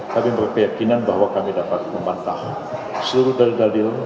kami berkeyakinan bahwa kami dapat membantah seluruh dalil dalil